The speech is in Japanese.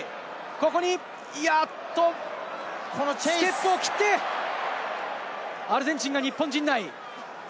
ここにステップを切って、アルゼンチンが日本陣内。